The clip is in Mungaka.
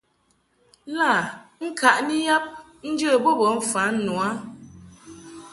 Lâ ŋkaʼni yab njə bo bə mfan nu a.